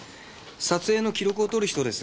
撮影の記録を取る人です。